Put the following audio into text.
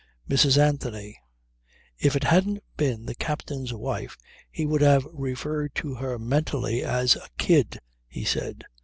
Mrs. Anthony ...! If it hadn't been the captain's wife he would have referred to her mentally as a kid, he said.